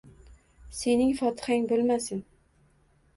–Sening fotihang bo’lmasin?